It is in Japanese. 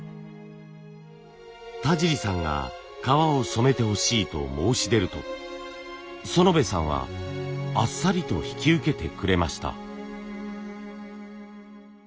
田尻さんが革を染めてほしいと申し出ると薗部さんはあっさりと引き受けてくれました。